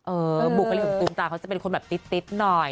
เอ่อกรูมตาเขาก็จะเป็นคนติดหน่อย